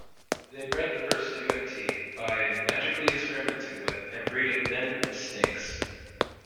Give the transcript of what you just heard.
They bred the first yuan-ti by magically experimenting with and breeding men with snakes.